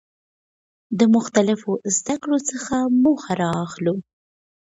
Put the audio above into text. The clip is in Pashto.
د مختلفو زده کړو څخه موخه را اخلو.